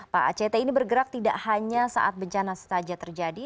pak act ini bergerak tidak hanya saat bencana saja terjadi